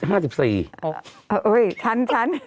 เฮ้ยทัน